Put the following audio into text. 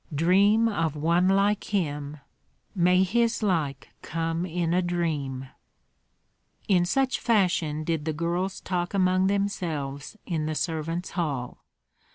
"Dream of one like him!" "May his like come in a dream!" In such fashion did the girls talk among themselves in the servants' hall.